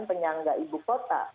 penyangga ibu kota